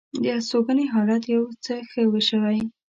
د هستوګنې حالت یو څه ښه شوی.